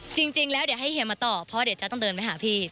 จริงแล้วเดี๋ยวให้เฮียมาต่อเพราะเดี๋ยวจ๊ะต้องเดินไปหาพี่